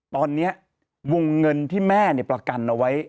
ตอนนี้วงเงินที่แม่ประกันเอาไว้